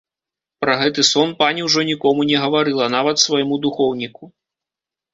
Пра гэты сон пані ўжо нікому не гаварыла, нават свайму духоўніку.